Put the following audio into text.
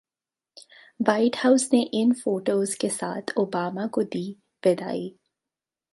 white House ने इन photos के साथ ओबामा को दी विदाई